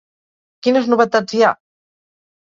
Quines novetats hi ha?